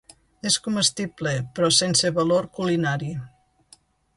És comestible, però sense valor culinari.